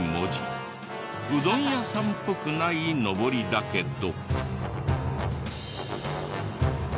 うどん屋さんっぽくないのぼりだけど。